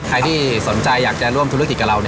ใครที่สนใจอยากจะร่วมธุรกิจกับเรา